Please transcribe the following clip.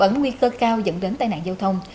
nguy cơ cao dẫn đến tai nạn giao thông